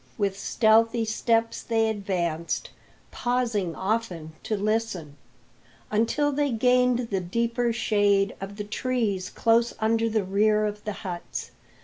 With stealthy steps they advanced, pausing often to listen, until they gained the deeper shade of the trees close under the rear of the huts.